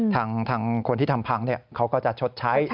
ทางคนที่ทำพังเขาก็จะชดใช้